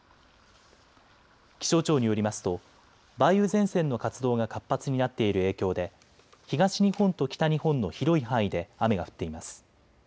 気象庁によりますと梅雨前線の活動が活発になっている影響で東日本と北日本の広い範囲で雨が降っています。